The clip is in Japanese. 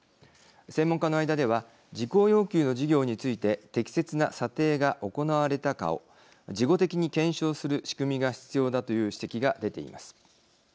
専門家の間では事項要求の事業について適切な査定が行われたかを事後的に検証する仕組みが必要だという指摘が出ています。